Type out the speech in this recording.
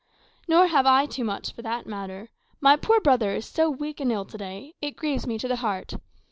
"Nor have I too much, for that matter. My poor brother is so weak and ill to day, it grieves me to the heart.